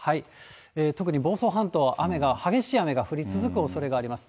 特に房総半島、雨が激しい雨が降り続くおそれがあります。